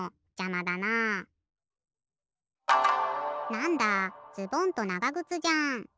なんだズボンとながぐつじゃん。